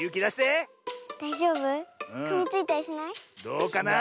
どうかな？